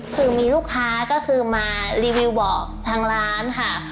คือมีลูกค้าก็คือมารีวิวบอกทางร้านค่ะ